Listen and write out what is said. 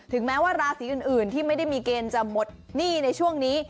แม้ว่าราศีอื่นที่ไม่ได้มีเกณฑ์จะหมดหนี้ในช่วงนี้